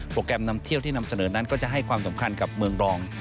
แกรมนำเที่ยวที่นำเสนอนั้นก็จะให้ความสำคัญกับเมืองรอง